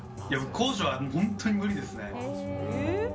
高所は、本当に無理ですね。